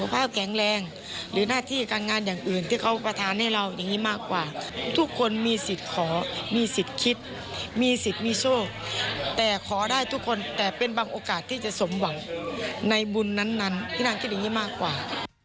พี่นางคิดอย่างงี้มากกว่า